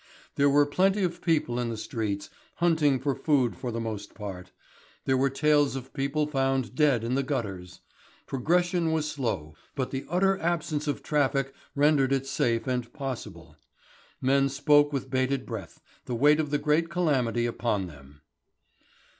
There were plenty of people in the streets, hunting for food for the most part; there were tales of people found dead in the gutters. Progression was slow, but the utter absence of traffic rendered it safe and possible. Men spoke with bated breath, the weight of the great calamity upon them.